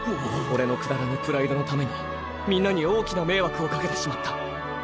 俺のくだらぬプライドのためにみんなに大きな迷惑を掛けてしまった。